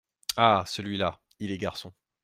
Ah ! celui-là… il est garçon.